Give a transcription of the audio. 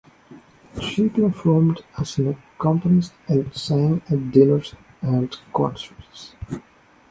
She performed as an accompanist and sang at dinners and concerts.